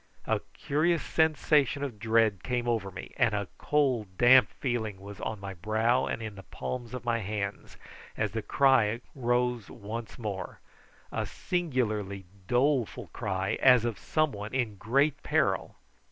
A curious sensation of dread came over me, and a cold damp feeling was on my brow and in the palms of my hands as the cry rose once more a singularly doleful cry, as of some one in great peril.